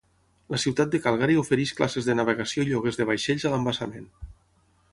La ciutat de Calgary ofereix classes de navegació i lloguers de vaixells a l"embassament.